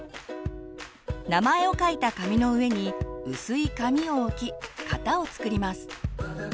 名前を書いた紙の上に薄い紙を置き型を作ります。